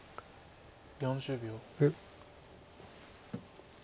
４０秒。